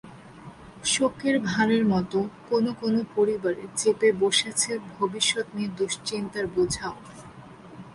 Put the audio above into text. শোকের ভারের মতো কোনো কোনো পরিবারে চেপে বসেছে ভবিষ্যৎ নিয়ে দুশ্চিন্তার বোঝাও।